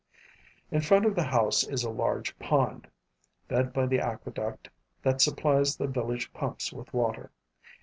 In front of the house is a large pond, fed by the aqueduct that supplies the village pumps with water.